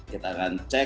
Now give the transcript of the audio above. kita akan cek